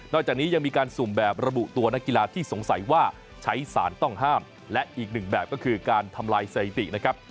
จากนี้ยังมีการสุ่มแบบระบุตัวนักกีฬาที่สงสัยว่าใช้สารต้องห้ามและอีกหนึ่งแบบก็คือการทำลายสถิตินะครับ